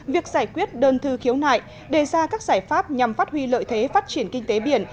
việc giải quyết đơn thư khiếu nại đề ra các giải pháp nhằm phát huy lợi thế phát triển kinh tế biển